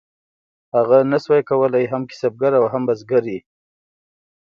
هغه نشو کولی هم کسبګر او هم بزګر وي.